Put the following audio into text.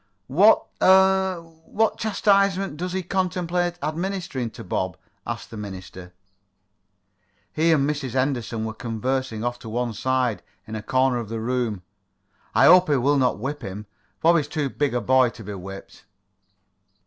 "What er what chastisement does he contemplate administering to Bob?" asked the minister. He and Mrs. Henderson were conversing off to one side, in a corner of the room. "I hope he will not whip him. Bob is too big a boy to be whipped."